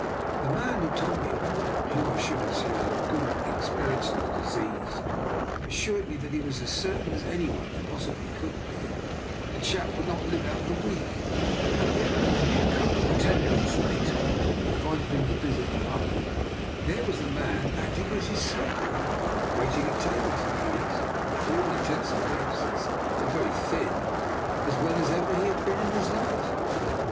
The man who told me about it, and who, I should have said, had had a good ex perience of the disease, assured me that he was as certain as any one possibly could be 48 I>R. NIKOLA'S EXPERIMENT. that the chap could not live out the week; and yet when the new comer, ten days later, invited him to visit the hut, there was the man acting as his servant, waiting at table, if you please, and to all intents and purposes, though very thin, as well as ever he had been in his life."